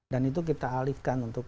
itu kita alihkan untuk